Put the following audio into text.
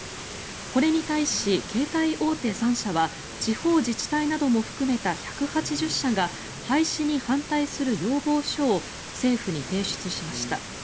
これに対し携帯大手３社は地方自治体なども含めた１８０者が廃止に反対する要望書を政府に提出しました。